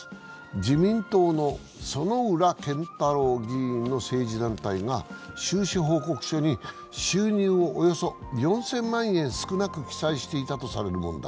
自民党の薗浦健太郎議員の政治団体が収支報告書に収入をおよそ４０００万円少なく記載していたとされる問題。